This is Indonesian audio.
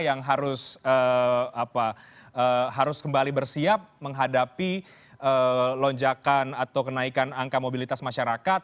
yang harus kembali bersiap menghadapi lonjakan atau kenaikan angka mobilitas masyarakat